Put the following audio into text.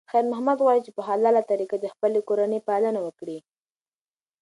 خیر محمد غواړي چې په حلاله طریقه د خپلې کورنۍ پالنه وکړي.